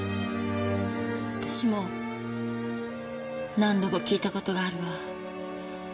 私も何度も聞いた事があるわ。